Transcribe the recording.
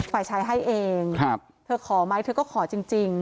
ฝ่ายใช้ให้เองครับเธอขอไหมเธอก็ขอจริงจริง